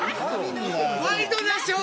ワイドナショー。